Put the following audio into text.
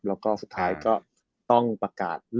แล้วก็สุดท้ายก็ต้องประกาศ